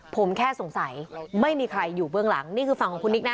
ผมแค่สงสัยไม่มีใครอยู่เบื้องหลังนี่คือฝั่งของคุณนิกนะ